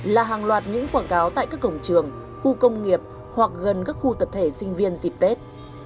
là hàng loạt những quảng cáo tại các cổng trường khu công nghiệp hoặc gần các khu tập thể sinh viên dịp tết